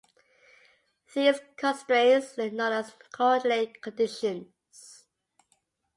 These constraints are known as coordinate conditions.